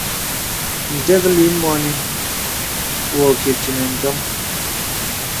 Dəklì mɔnì wɔ kì tənə ǹdɔŋ.